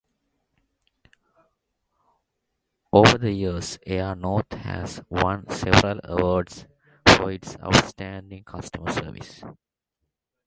Over the years Air North has won several awards for its outstanding customer service.